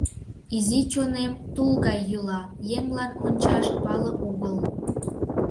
Изи чонем тул гай йӱла, еҥлан ончаш пале огыл.